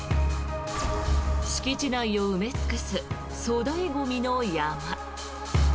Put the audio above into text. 敷地内を埋め尽くす粗大ゴミの山。